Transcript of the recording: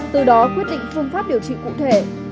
từ đó quyết định phương pháp điều trị cụ thể